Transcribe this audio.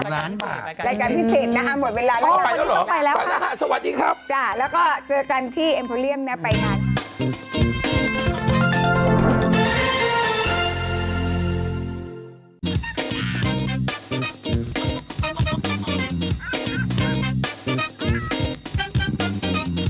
๑ล้านบาทรายการพิเศษนะหมดเวลาแล้วคุณผู้ชมไปแล้วค่ะไปแล้วหรือไปแล้วค่ะสวัสดีครับ